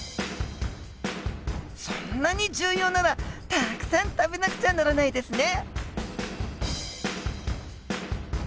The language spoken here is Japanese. そんなに重要ならたくさん食べなくちゃならないですね！